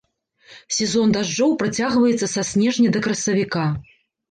Сезон дажджоў працягваецца са снежня да красавіка.